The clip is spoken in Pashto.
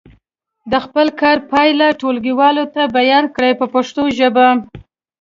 د خپل کار پایلې ټولګیوالو ته بیان کړئ په پښتو ژبه.